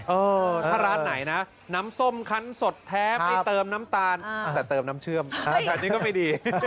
เออถ้าร้านไหนนะน้ำส้มคันสดแท้ไม่เติมน้ำตาลแต่เติมน้ำเชื่อมแบบนี้ก็ไม่ดี